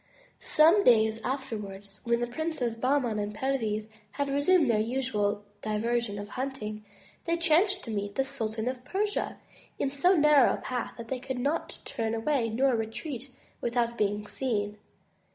Some days afterwards, when the Princes Bahman and Perviz had resumed their usual diversion of hunting, they chanced to meet the Sultan of Persia in so narrow a path that they could not turn away nor retreat with out being seen.